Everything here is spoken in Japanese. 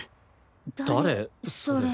誰それ？